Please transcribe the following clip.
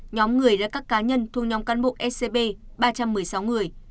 nhóm người là các cá nhân thuộc nhóm cán bộ scb ba trăm một mươi sáu người